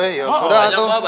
ya sudah lah tuh